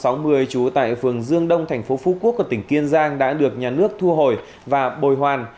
trú tại phường dương đông thành phố phú quốc của tỉnh kiên giang đã được nhà nước thu hồi và bồi hoàn